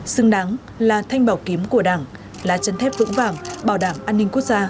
xứng đáng là thanh bảo kiếm của đảng là chân thép vững vàng bảo đảm an ninh quốc gia